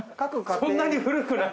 そんなに古くない？